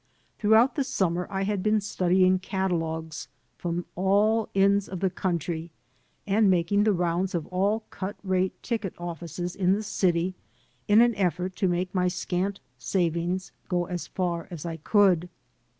Throughout the sununer I had been stud ying catalogues from all the ends of the country and making the rounds of all cut rate ticket offices in the city, in an effort to make my scant savings go as far as I could.